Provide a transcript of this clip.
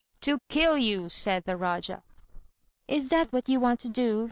"To kill you," said the Rájá. "Is that what you want to do?"